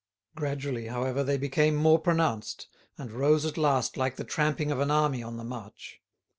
Gradually, however, they became more pronounced, and rose at last like the tramping of an army on the march.